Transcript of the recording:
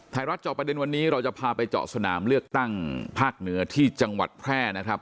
เจาะประเด็นวันนี้เราจะพาไปเจาะสนามเลือกตั้งภาคเหนือที่จังหวัดแพร่นะครับ